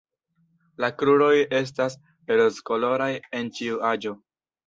La kruroj estas rozkoloraj en ĉiu aĝo.